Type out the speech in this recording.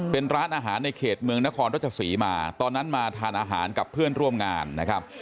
เป็นร้านอาหารในเขตเมืองนครรัชศรีมาตอนนั้นมาทานอาหารกับเพื่อนร่วมงานนะครับ